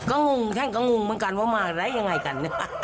ก็งงท่านก็งงเหมือนกันว่ามาได้ยังไงกัน